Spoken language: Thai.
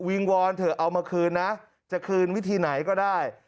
วอนเถอะเอามาคืนนะจะคืนวิธีไหนก็ได้